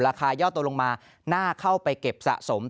ยอดตัวลงมาน่าเข้าไปเก็บสะสม